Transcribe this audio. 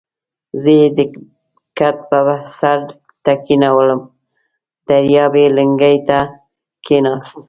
زه یې د کټ بر سر ته کېنولم، دریاب یې لنګې ته کېناست.